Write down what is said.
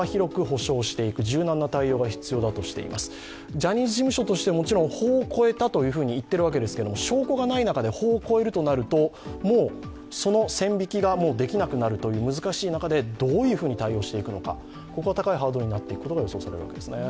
ジャニーズ事務所としては法を超えたと言っていますが証拠がない中で法を超えるとなると、その線引きができなくなるという難しい中でどういうふうに対応していくのか、ここは高いハードルになっていくことが予想されます。